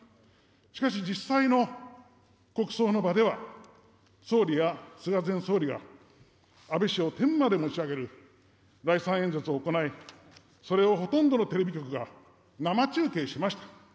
しかし、実際の国葬の場では、総理や菅前総理が、安倍氏を天まで持ち上げる礼賛演説を行い、それをほとんどのテレビ局が生中継しました。